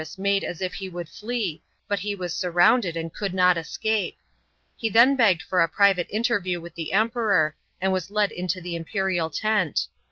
ABMEN1A A BOMAN JPKOVINCJS. 451 made as if he would flee, but he was surrounded, and could not escape. He then begged for a private interview with the Kmperor, and WHS led into the imperial tent.